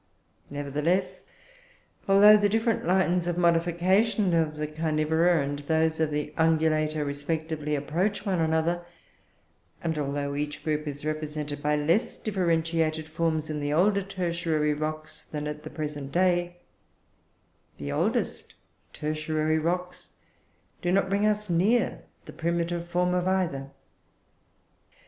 Nevertheless, although the different lines of modification of the Carnivora and those of the Ungulata, respectively, approach one another, and, although each group is represented by less differentiated forms in the older tertiary rocks than at the present day, the oldest tertiary rocks do not bring us near the primitive form of either.